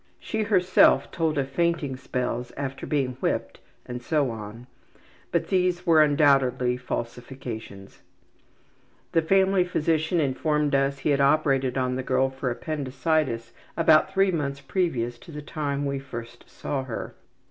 She herself told of fainting spells after being whipped and so on, but these were undoubtedly falsifications. The family physician informed us he had operated on the girl for appendicitis about three months previous to the time we first saw her.